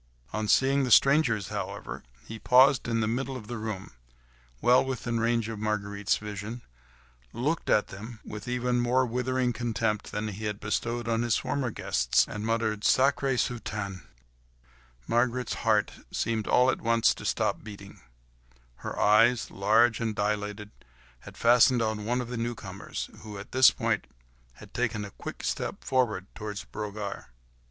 On seeing the strangers, however, he paused in the middle of the room, well within range of Marguerite's vision, looked at them, with even more withering contempt than he had bestowed upon his former guests, and muttered, "Sacrrrée soutane!" Marguerite's heart seemed all at once to stop beating; her eyes, large and dilated, had fastened on one of the newcomers, who, at this point, had taken a quick step forward towards Brogard.